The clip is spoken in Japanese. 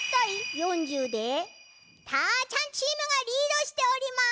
４０でたーちゃんチームがリードしております。